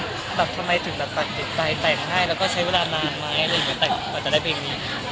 หรืออย่างเงี้ยแต่งก่อนจะได้เพลงนี้